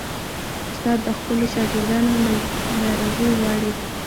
استاد د خپلو شاګردانو نیکمرغي غواړي.